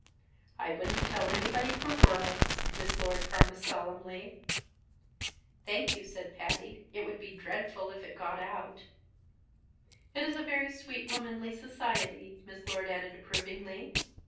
"I wouldn't tell anybody for worlds," Miss Lord promised solemnly. "Thank you," said Patty. "It would be dreadful if it got out." "It is a very sweet, womanly society," Miss Lord added approvingly.